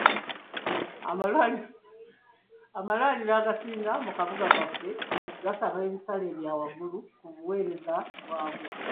Amalwaliro agasinga mu kabuga kaffe gasaba ebisale bya waggulu ku buweereza bwago.